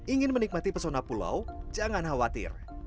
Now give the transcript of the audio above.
ingin menikmati pesona pulau jangan khawatir